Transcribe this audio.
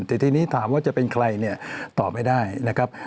แต่ทีนี้ถามว่าจะเป็นใครเนี่ยตอบไม่ได้นะครับ